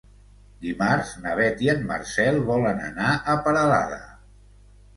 Dimarts na Beth i en Marcel volen anar a Peralada.